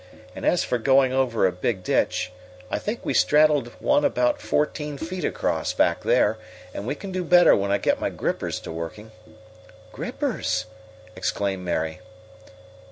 And as for going over a big ditch, I think we straddled one about fourteen feet across back there, and we can do better when I get my grippers to working." "Grippers!" exclaimed Mary.